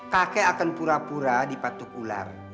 kakek akan pura pura dipatuk ular